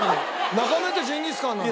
中目ってジンギスカンなの？